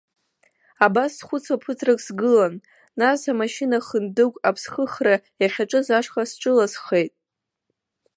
Абас схәыцуа ԥыҭрак сгылан, нас амашьына хындыгә аԥсхыхра иахьаҿыз ашҟа сҿыласхеит.